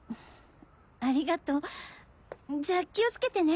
ありがとうじゃあ気を付けてね。